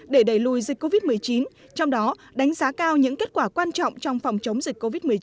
để đẩy lùi dịch covid một mươi chín trong đó đánh giá cao những kết quả quan trọng trong phòng chống dịch covid một mươi chín